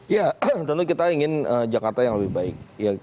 ya tentu kita ingin jakarta yang lebih baik